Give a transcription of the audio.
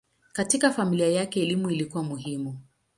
Katika familia yake elimu ilikuwa muhimu.